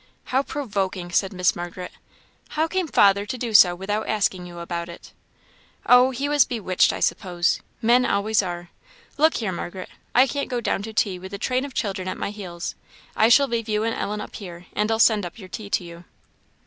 "How provoking!" said Miss Margaret "how came father to do so, without asking you about it?" "Oh, he was bewitched, I suppose men always are. Look here, Margaret I can't go down to tea with a train of children at my heels. I shall leave you and Ellen up here, and I'll send up your tea to you."